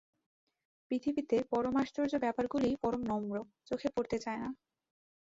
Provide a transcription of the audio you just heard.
পৃথিবীতে পরমাশ্চর্য ব্যাপারগুলিই পরম নম্র, চোখে পড়তে চায় না।